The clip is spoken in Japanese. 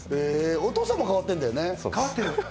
お父さんも変わってるんだよ